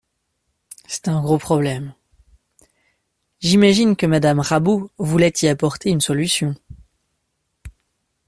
C’est un gros problème… J’imagine que Madame Rabault voulait y apporter une solution.